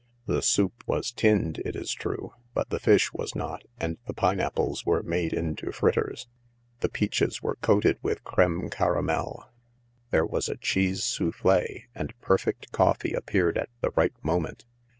The soup was tinned, it is true, but the fish was not, and the pineapples were made into fritters ; the peaches were coated with cr&me caramel, there was a cheese souffld, and perfect coffee appeared at the right moment.